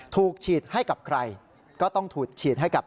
ถูกฉีดให้กับใครก็ต้องถูกฉีดให้กับ